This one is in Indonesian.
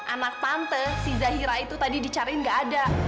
anak tante si zahira itu tadi dicariin gak ada